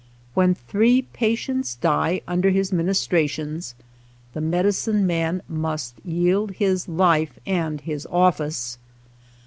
When three patients die under his ministrations, the medicine man must yield his life and his office.